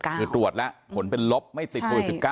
คือตรวจแล้วผลเป็นลบไม่ติดโควิด๑๙